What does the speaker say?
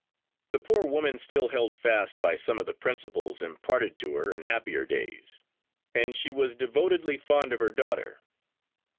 The poor woman still held fast by some of the principles imparted to her in happier days; and she was devotedly fond of her daughter.